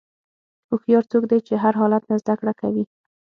هوښیار څوک دی چې د هر حالت نه زدهکړه کوي.